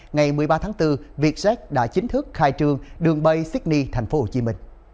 ngày một mươi ba tháng bốn vietjet đã chính thức khai trương đường bay sydney tp hcm